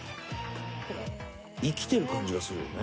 生きてる感じがするよね